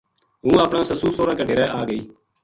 ہوں اپنا سسُو سوہراں کے ڈیرے آگئی